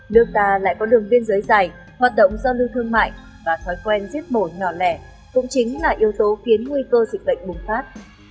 nước ta lại có đường biên giới dài hoạt động giao lưu thương mại và thói quen giết mổ nhỏ lẻ cũng chính là yếu tố khiến nguy cơ dịch bệnh bùng phát